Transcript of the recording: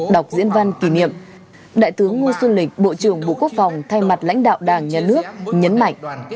đọc diễn văn kỷ niệm đại tướng ngô xuân lịch bộ trưởng bộ quốc phòng thay mặt lãnh đạo đảng nhà nước nhấn mạnh